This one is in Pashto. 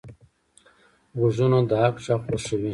غوږونه د حق غږ خوښوي